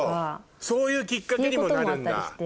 そういうきっかけにもなるんだ。